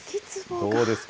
どうですか？